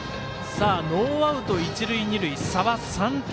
ノーアウト、一塁二塁差は３点。